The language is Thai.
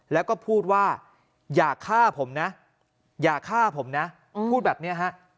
แล้วก็พูดว่าอย่าฆ่าผมนะอย่าฆ่าผมนะพูดแบบนี้ฮะ